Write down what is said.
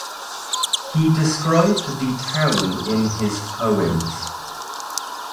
He described the town in his poems.